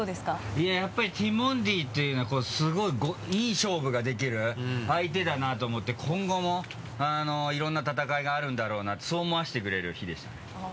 いややっぱりティモンディというのはすごいいい勝負ができる相手だなと思って今後もいろんな戦いがあるんだろうなってそう思わせてくれる日でしたね。